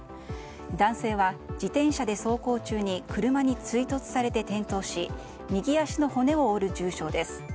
男性は自転車で走行中に車に追突されて転倒し右足の骨を折る重傷です。